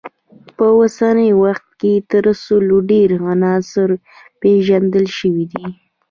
په اوسني وخت کې تر سلو ډیر عناصر پیژندل شوي دي.